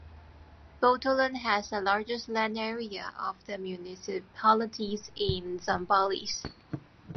Botolan has the largest land area of the municipalities in Zambales.